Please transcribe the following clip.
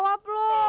wah bener tuh